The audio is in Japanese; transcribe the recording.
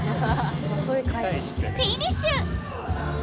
フィニッシュ！